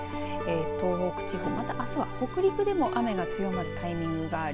東北地方あすは北陸でも雨が強まるタイミングがあり